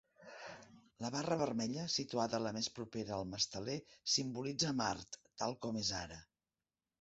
La barra vermella, situada la més propera al masteler, simbolitza Mart tal com és ara.